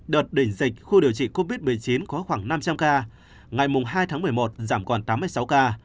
đợt đỉnh dịch khu điều trị covid một mươi chín có khoảng năm trăm linh ca ngày hai tháng một mươi một giảm còn tám mươi sáu ca